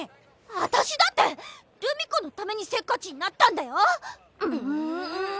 私だって留美子のためにせっかちになったんだよ。